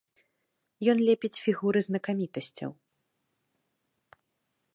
Ён лепіць фігуры знакамітасцяў.